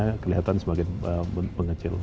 sejak tahun ini kelihatan semakin mengecil